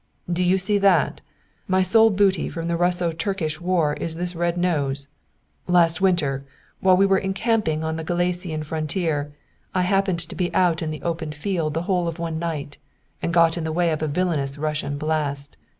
"Do you see that? My sole booty from the Russo Turkish war is this red nose. Last winter, while we were encamping on the Galician frontier, I happened to be out in the open field the whole of one night, and got in the way of a villainous Russian blast.